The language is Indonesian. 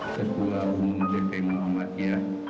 ketua umum dt muhammadiyah